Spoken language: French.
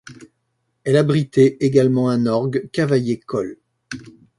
Elle abrité également un orgue Cavaillé-Coll.